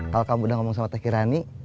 kalau kamu udah ngomong sama teh kirani